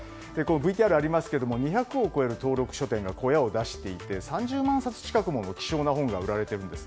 ＶＴＲにありますが２００を超える登録書店が小屋を出していて３０万冊近くもの希少な本が売られているんです。